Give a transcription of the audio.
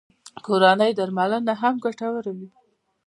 کورنۍ درملنه هم ګټوره وي